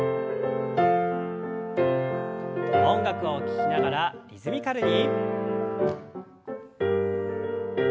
音楽を聞きながらリズミカルに。